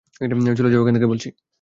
চলে যাও এখান থেকে বলছি!